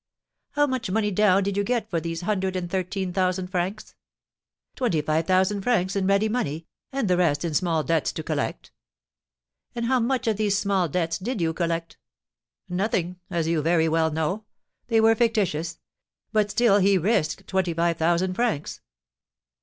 "How much money down did you get for these hundred and thirteen thousand francs?" "Twenty five thousand francs in ready money, and the rest in small debts to collect." "And how much of these small debts did you collect?" "Nothing, as you very well know; they were fictitious; but still he risked twenty five thousand francs."